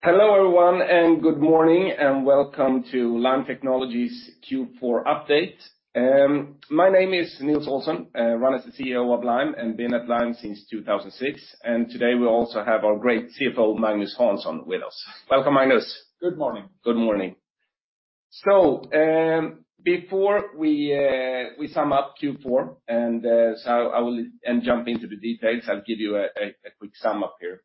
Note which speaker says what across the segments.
Speaker 1: Hello, everyone, and good morning, and welcome to Lime Technologies Q4 update. My name is Nils Olsson. I run as the CEO of Lime and been at Lime since 2006. Today we also have our great CFO, Magnus Hansson, with us. Welcome, Magnus.
Speaker 2: Good morning.
Speaker 1: Good morning. Before we sum up Q4 and jump into the details, I'll give you a quick sum up here.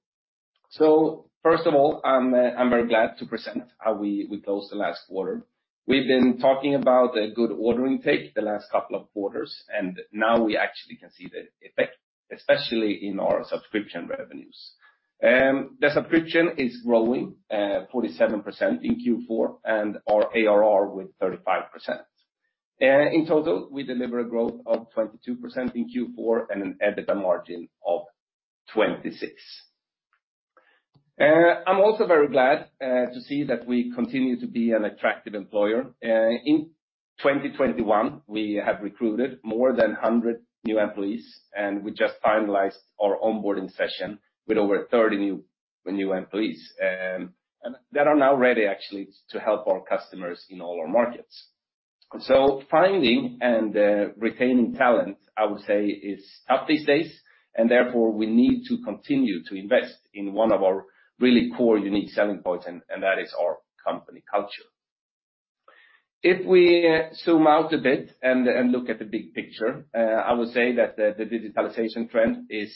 Speaker 1: First of all, I'm very glad to present how we closed the last quarter. We've been talking about the good order intake the last couple of quarters, and now we actually can see the effect, especially in our subscription revenues. The subscription is growing 47% in Q4 and our ARR with 35%. In total, we deliver a growth of 22% in Q4 and an EBITDA margin of 26%. I'm also very glad to see that we continue to be an attractive employer. In 2021, we have recruited more than 100 new employees, and we just finalized our onboarding session with over 30 new employees. They are now ready actually to help our customers in all our markets. Finding and retaining talent, I would say, is tough these days, and therefore we need to continue to invest in one of our really core, unique selling points, and that is our company culture. If we zoom out a bit and look at the big picture, I would say that the digitalization trend is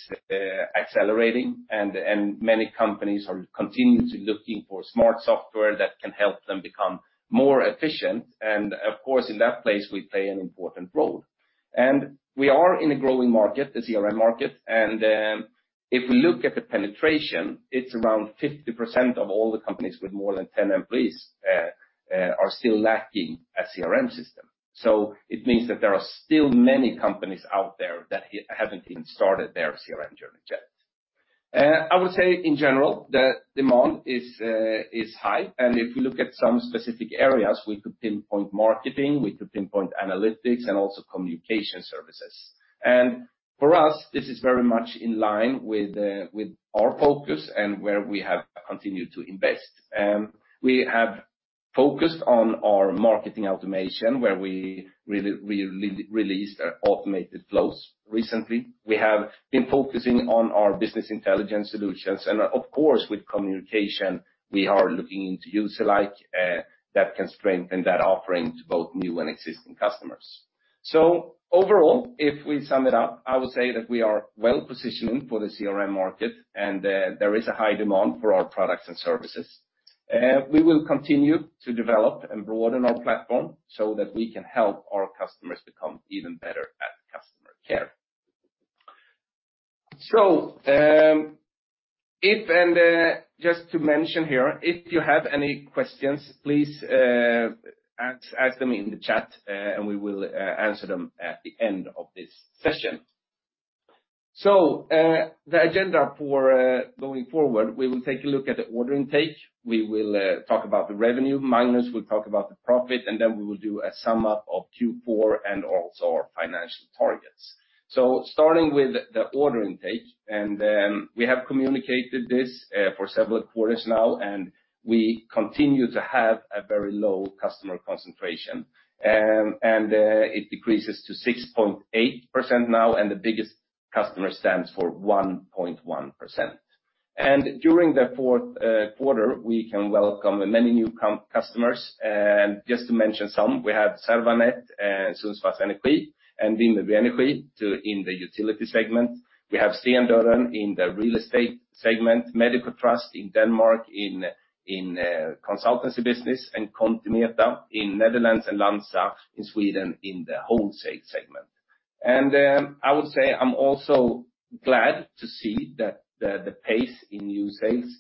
Speaker 1: accelerating and many companies are continuing to look for smart software that can help them become more efficient. Of course, in that space, we play an important role. We are in a growing market, the CRM market, and if we look at the penetration, it's around 50% of all the companies with more than 10 employees are still lacking a CRM system. It means that there are still many companies out there that haven't even started their CRM journey yet. I would say in general, the demand is high. If you look at some specific areas, we could pinpoint marketing, we could pinpoint analytics and also communication services. For us, this is very much in line with our focus and where we have continued to invest. We have focused on our marketing automation, where we released our automated flows recently. We have been focusing on our business intelligence solutions. Of course, with communication, we are looking into Userlike that can strengthen that offering to both new and existing customers. Overall, if we sum it up, I would say that we are well-positioned for the CRM market, and there is a high demand for our products and services. We will continue to develop and broaden our platform so that we can help our customers become even better at customer care. Just to mention here, if you have any questions, please ask them in the chat, and we will answer them at the end of this session. The agenda for going forward, we will take a look at the order intake, we will talk about the revenue, Magnus will talk about the profit, and then we will do a sum up of Q4 and also our financial targets. Starting with the order intake, we have communicated this for several quarters now, and we continue to have a very low customer concentration. It decreases to 6.8% now, and the biggest customer stands for 1.1%. During the fourth quarter, we can welcome many new customers. Just to mention some, we have Servanet and Sundsvall Energi and Windel Energy in the utility segment. We have Stendörren in the real estate segment, Medical Trust in Denmark in the consultancy business, and Contimeta in Netherlands and Lansa in Sweden in the wholesale segment. I would say I'm also glad to see that the pace in new sales is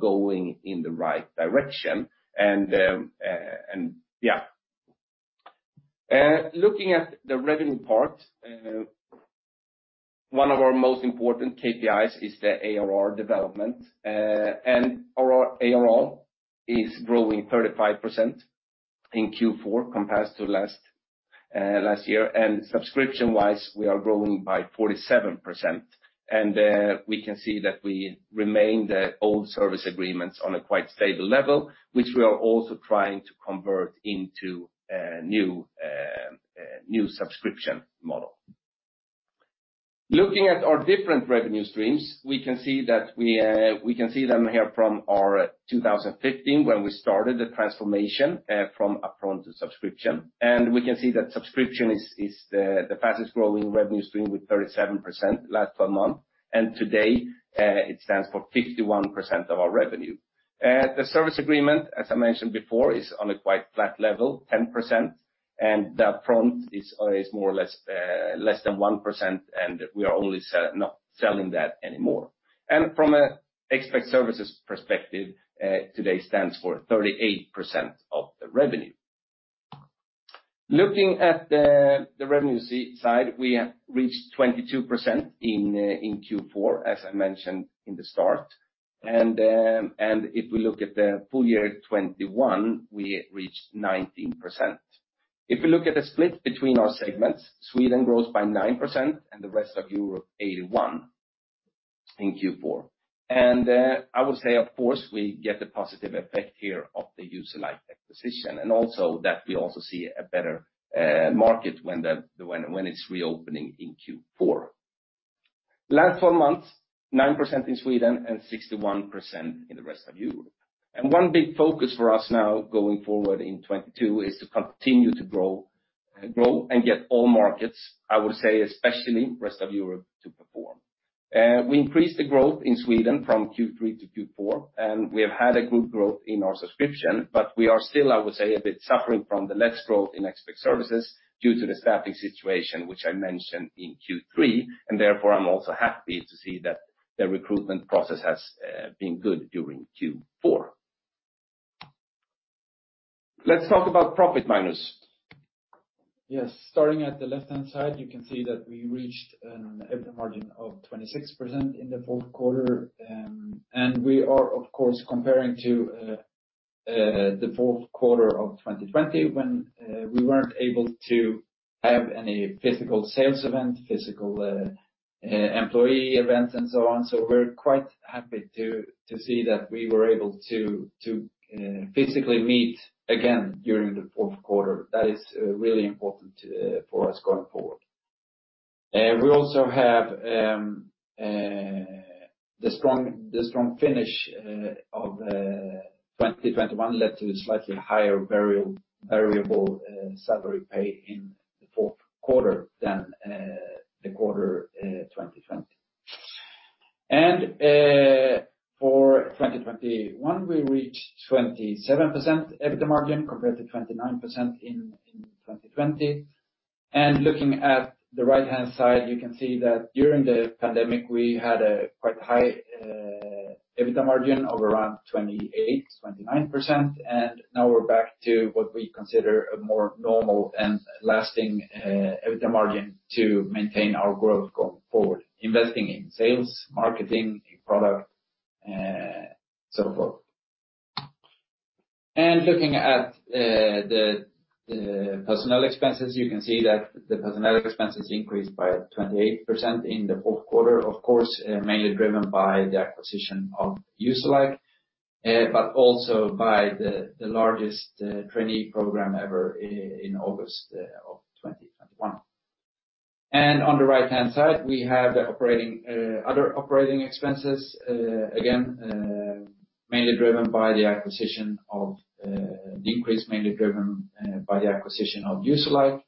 Speaker 1: going in the right direction. Looking at the revenue part, one of our most important KPIs is the ARR development. Our ARR is growing 35% in Q4 compared to last year. Subscription-wise, we are growing by 47%. We can see that the old service agreements remain on a quite stable level, which we are also trying to convert into a new subscription model. Looking at our different revenue streams, we can see them here from our 2015 when we started the transformation from upfront to subscription. We can see that subscription is the fastest-growing revenue stream with 37% last twelve months. Today, it stands for 51% of our revenue. The service agreement, as I mentioned before, is on a quite flat level, 10%, and the upfront is more or less less than 1%, and we are not selling that anymore. From an expert services perspective, today stands for 38% of the revenue. Looking at the revenue SaaS side, we have reached 22% in Q4, as I mentioned in the start. If we look at the full year 2021, we reached 19%. If you look at the split between our segments, Sweden grows by 9% and the rest of Europe 81% in Q4. I would say, of course, we get the positive effect here of the Userlike acquisition, and also that we also see a better market when it's reopening in Q4. Last four months, 9% in Sweden and 61% in the rest of Europe. One big focus for us now going forward in 2022 is to continue to grow and get all markets, I would say, especially rest of Europe, to perform. We increased the growth in Sweden from Q3-Q4, and we have had a good growth in our subscription, but we are still, I would say, a bit suffering from the less growth in expert services due to the staffing situation, which I mentioned in Q3, and therefore, I'm also happy to see that the recruitment process has been good during Q4. Let's talk about profit, Magnus.
Speaker 2: Yes. Starting at the left-hand side, you can see that we reached an EBITDA margin of 26% in the fourth quarter. We are, of course, comparing to the fourth quarter of 2020 when we weren't able to have any physical sales event, physical employee event and so on. We're quite happy to physically meet again during the fourth quarter. That is really important for us going forward. We also have the strong finish of 2021 led to a slightly higher variable salary pay in the fourth quarter than the quarter 2020. For 2021, we reached 27% EBITDA margin compared to 29% in 2020. Looking at the right-hand side, you can see that during the pandemic, we had a quite high EBITDA margin of around 28%-29%. Now we're back to what we consider a more normal and lasting EBITDA margin to maintain our growth going forward, investing in sales, marketing, in product, so forth. Looking at the personnel expenses, you can see that the personnel expenses increased by 28% in the fourth quarter, of course, mainly driven by the acquisition of Userlike, but also by the largest trainee program ever in August of 2021. On the right-hand side, we have the other operating expenses, again, mainly driven by the acquisition of Userlike.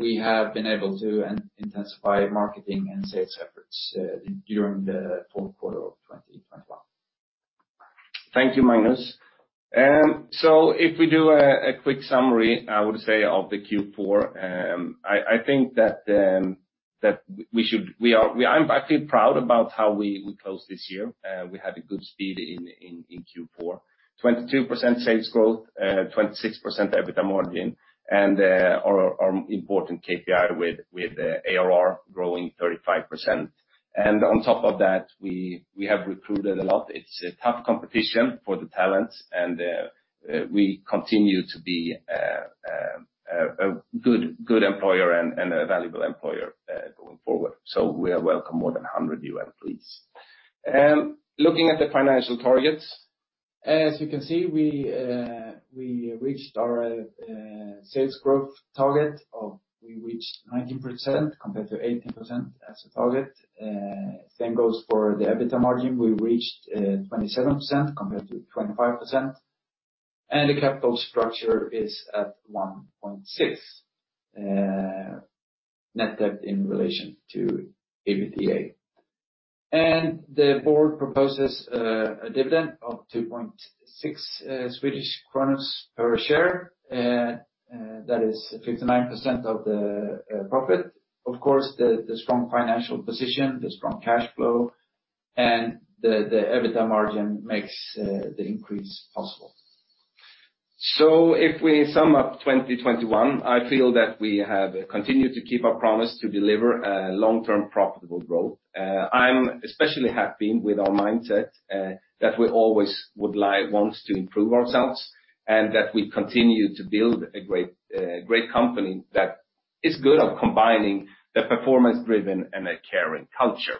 Speaker 2: We have been able to intensify marketing and sales efforts during the fourth quarter of 2021.
Speaker 1: Thank you, Magnus. I feel proud about how we closed this year. We had a good speed in Q4. 22% sales growth, 26% EBITDA margin, and our important KPI with ARR growing 35%. On top of that, we have recruited a lot. It's a tough competition for the talent, and we continue to be a good employer and a valuable employer going forward. We have welcomed more than 100 new employees. Looking at the financial targets, as you can see, we reached our sales growth target of We reached 19% compared to 18% as a target. Same goes for the EBITDA margin. We reached 27% compared to 25%. The capital structure is at 1.6 net debt in relation to EBITDA. The board proposes a dividend of 2.6 per share. That is 59% of the profit. Of course, the strong financial position, the strong cash flow, and the EBITDA margin makes the increase possible. If we sum up 2021, I feel that we have continued to keep our promise to deliver a long-term profitable growth. I'm especially happy with our mindset that we always want to improve ourselves and that we continue to build a great company that is good at combining the performance driven and a caring culture.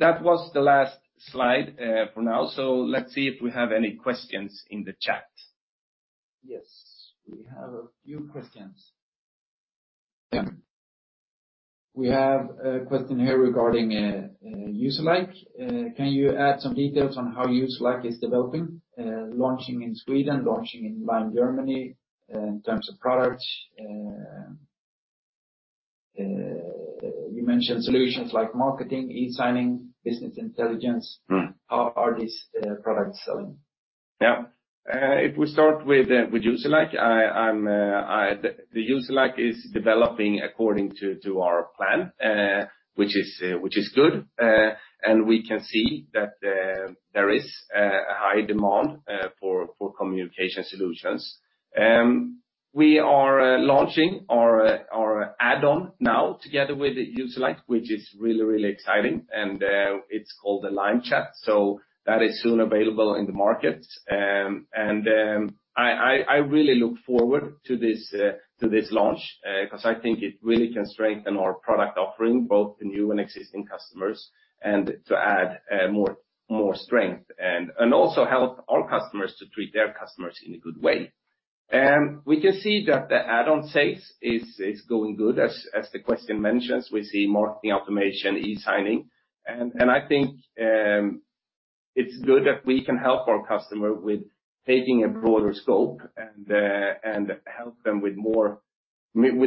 Speaker 1: That was the last slide for now. Let's see if we have any questions in the chat.
Speaker 2: Yes. We have a few questions.
Speaker 1: Yeah.
Speaker 2: We have a question here regarding Userlike. Can you add some details on how Userlike is developing, launching in Sweden, launching in Germany, in terms of products? You mentioned solutions like marketing, e-signing, business intelligence. How are these products selling?
Speaker 1: Yes. If we start with Userlike, the Userlike is developing according to our plan, which is good. We can see that there is a high demand for communication solutions. We are launching our add-on now together with Userlike, which is really exciting. It's called the Lime Chat. That is soon available in the market. I really look forward to this launch, 'cause I think it really can strengthen our product offering, both the new and existing customers, and to add more strength and also help our customers to treat their customers in a good way. We can see that the add-on sales is going good, as the question mentions. We see marketing automation, e-signing. I think it's good that we can help our customer with taking a broader scope and help them with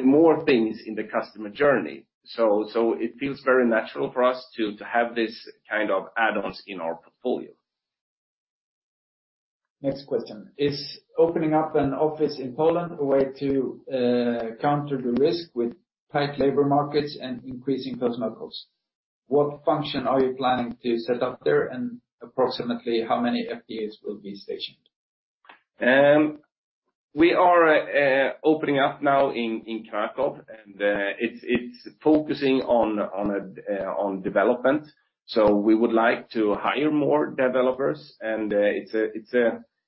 Speaker 1: more things in the customer journey. It feels very natural for us to have this kind of add-ons in our portfolio.
Speaker 2: Next question: Is opening up an office in Poland a way to counter the risk with tight labor markets and increasing personnel costs? What function are you planning to set up there, and approximately how many FTEs will be stationed?
Speaker 1: We are opening up now in Kraków, and it's focusing on development. We would like to hire more developers.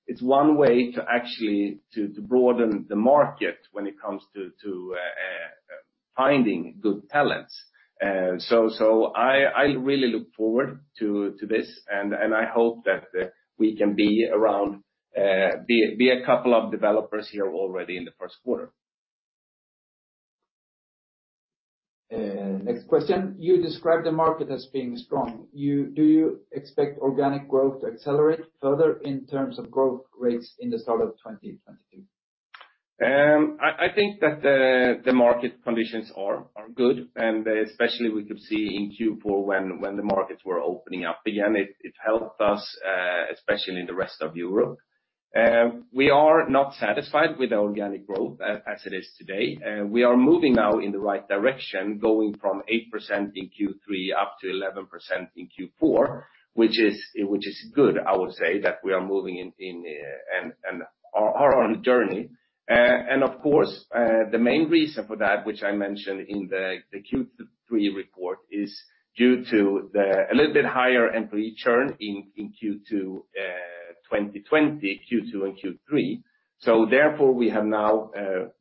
Speaker 1: It's one way to actually broaden the market when it comes to finding good talent. I really look forward to this, and I hope that we can be around a couple of developers here already in the first quarter.
Speaker 2: Next question: You describe the market as being strong. Do you expect organic growth to accelerate further in terms of growth rates in the start of 2022?
Speaker 1: I think that the market conditions are good, especially we could see in Q4 when the markets were opening up again. It helped us, especially in the rest of Europe. We are not satisfied with the organic growth as it is today. We are moving now in the right direction, going from 8% in Q3 up to 11% in Q4, which is good, I would say, that we are on a journey. Of course, the main reason for that, which I mentioned in the Q3 report, is due to a little bit higher employee churn in Q2 and Q3 2020. Therefore, we have now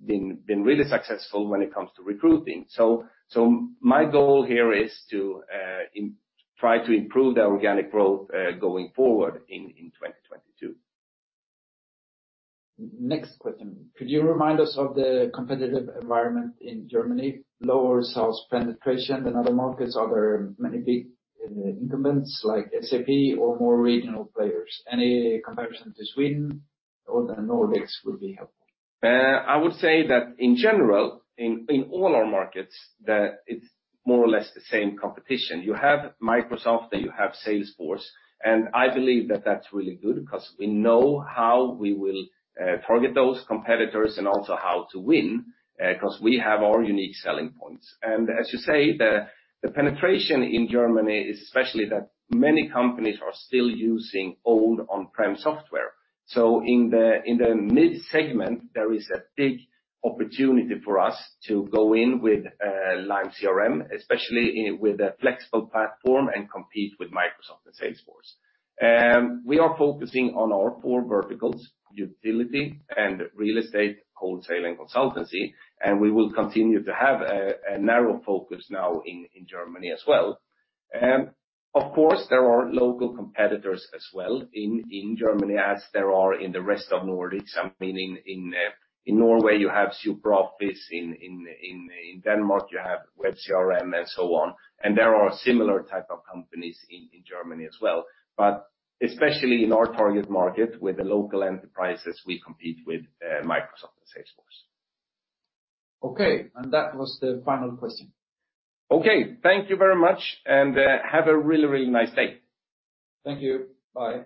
Speaker 1: been really successful when it comes to recruiting. My goal here is to try to improve the organic growth going forward in 2022.
Speaker 2: Next question: Could you remind us of the competitive environment in Germany? Lower sales penetration than other markets. Are there many big incumbents like SAP or more regional players? Any comparison to Sweden or the Nordics would be helpful.
Speaker 1: I would say that in general, in all our markets, that it's more or less the same competition. You have Microsoft, and you have Salesforce, and I believe that that's really good 'cause we know how we will target those competitors and also how to win 'cause we have our unique selling points. As you say, the penetration in Germany is especially that many companies are still using old on-prem software. In the mid-segment, there is a big opportunity for us to go in with Lime CRM, especially with a flexible platform and compete with Microsoft and Salesforce. We are focusing on our four verticals, utility and real estate, wholesale, and consultancy, and we will continue to have a narrow focus now in Germany as well. Of course, there are local competitors as well in Germany, as there are in the rest of Nordics. I mean, in Norway, you have SuperOffice. In Denmark, you have webCRM and so on. There are similar type of companies in Germany as well. Especially in our target market with the local enterprises, we compete with Microsoft and Salesforce.
Speaker 2: Okay, that was the final question.
Speaker 1: Okay, thank you very much, and have a really, really nice day.
Speaker 2: Thank you. Bye.